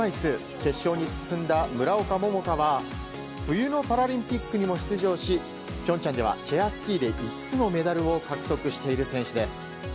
決勝に進んだ村岡桃佳は冬のパラリンピックにも出場し平昌ではチェアスキーで５つのメダルを獲得している選手です。